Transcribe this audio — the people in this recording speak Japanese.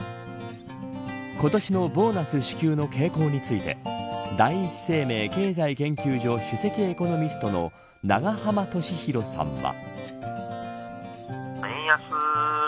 今年のボーナス支給の傾向について第一生命経済研究所首席エコノミストの永濱利廣さんは。